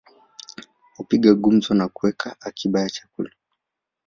Hupiga gumzo na huweka akiba ya chakula